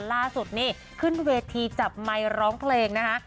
ล่าสุดนี่ขึ้นเวทีจับไมค์ร้องเพลงนะคะ